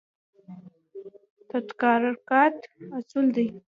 تدارکات اصول لري